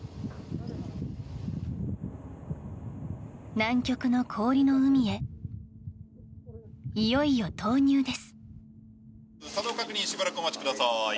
南極の氷の海へいよいよ投入です。